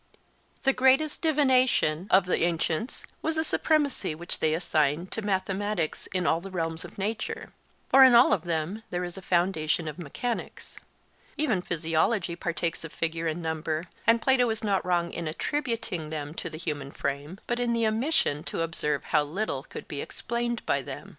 The greatest 'divination' of the ancients was the supremacy which they assigned to mathematics in all the realms of nature; for in all of them there is a foundation of mechanics. Even physiology partakes of figure and number; and Plato is not wrong in attributing them to the human frame, but in the omission to observe how little could be explained by them.